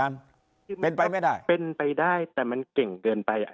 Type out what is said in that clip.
เป็นไปไม่ได้เป็นไปได้แต่มันเก่งเกินไปอ่ะ